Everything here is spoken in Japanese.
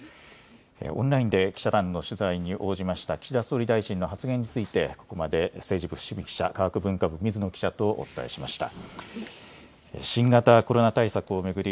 オンラインで記者団の取材に応じました岸田総理大臣の発言についてここまで政治部伏見記者文化部水野記者とお伝えしました。